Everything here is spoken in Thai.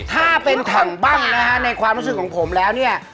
ถ้าเป็นถังบ้างนะฮะในความรู้สึกของผมแล้วเนี่ย